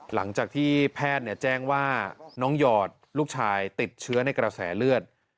หลังจากที่แพทย์แจ้งว่าน้องหยอดลูกชายติดเชื้อในกระแสเลือด